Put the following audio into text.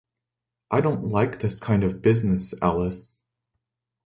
I don't like this kind of business, Ellis.